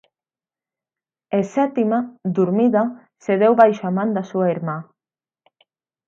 E Sétima, durmida, cedeu baixo a man da súa irmá.